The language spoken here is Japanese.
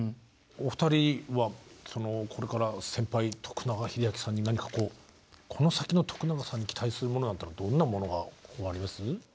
お二人はそのこれから先輩永明何かこうこの先の永さんに期待するものなんていうのはどんなものがあります？